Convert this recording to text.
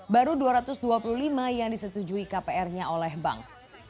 baru dua ratus dua puluh lima yang disetujui kpr nya oleh bank